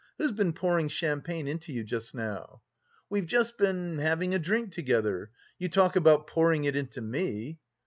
Who's been pouring champagne into you just now?" "We've just been... having a drink together.... You talk about pouring it into me!"